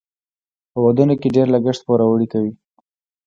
په ودونو کې ډیر لګښت پوروړي کوي.